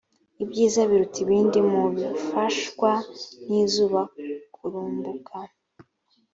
ibyiza biruta ibindi mu bifashwa n’izuba kurumbuka,